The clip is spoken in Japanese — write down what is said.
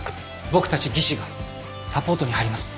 僕たち技師がサポートに入ります